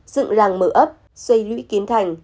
dựng làng mở ấp xoay lũy kiến thành